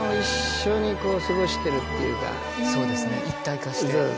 そうですね一体化して。